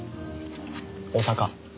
大阪。